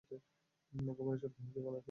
ঘুমের ঔষধ খাইয়ে দিব না কি?